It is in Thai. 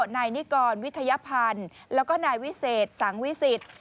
นายนิกรวิทยาพันธ์แล้วก็นายวิเศษสังวิสิทธิ์